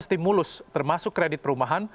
stimulus termasuk kredit perumahan